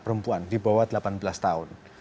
perempuan di bawah delapan belas tahun